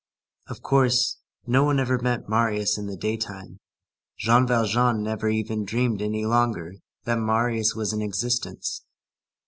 Of course, no one ever met Marius in the daytime. Jean Valjean never even dreamed any longer that Marius was in existence.